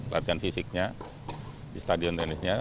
latihan fisiknya di stadion tenisnya